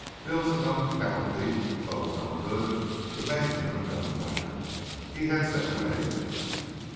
Bill's a known cattle thief. Bo's no good, the makin' of a gun fighter. He heads thet way.